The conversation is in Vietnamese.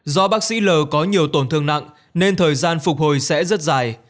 do bác sĩ l có nhiều tổn thương nặng nên thời gian phục hồi sẽ rất dài